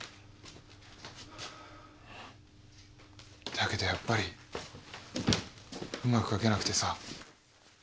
だけどやっぱりうまく描けなくてさ。